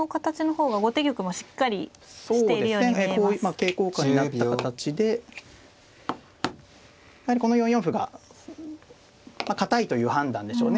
桂交換になった形でやはりこの４四歩が堅いという判断でしょうね。